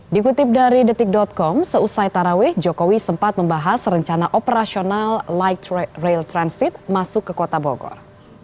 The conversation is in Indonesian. dikutip dari detik com seusai tarawih jokowi sempat membahas rencana operasional light rail transit masuk ke kota bogor